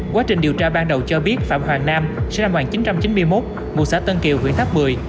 quá trình điều tra ban đầu cho biết phạm hoàng nam sinh năm một nghìn chín trăm chín mươi một ngụ xã tân kiều huyện tháp một mươi